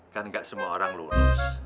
kan gak semua orang lulus